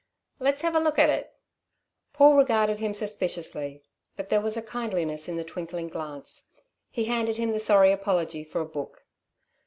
"Let's have a look at it." Paul regarded him suspiciously; but there was kindliness in the twinkling glance. He handed him the sorry apology for a book.